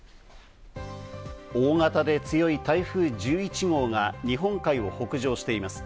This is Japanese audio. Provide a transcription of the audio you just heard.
大型で強い台風１１号が日本海を北上しています。